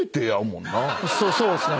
そうっすね。